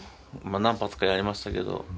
まあ何発かやりましたけど。